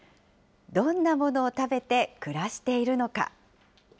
どんなものを食べて暮らしているのか。